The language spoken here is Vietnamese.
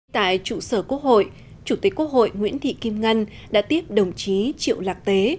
tại trụ sở quốc hội chủ tịch quốc hội nguyễn thị kim ngân đã tiếp đồng chí triệu lạc tế